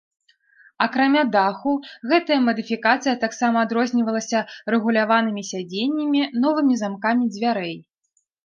Акрамя даху, гэтая мадыфікацыя таксама адрознівалася рэгуляванымі сядзеннямі, новымі замкамі дзвярэй.